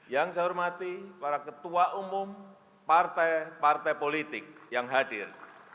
yang saya hormati para ketua umum partai partai politik yang hadir